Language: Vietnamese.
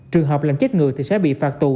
trường hợp làm chết người sẽ bị phạt tù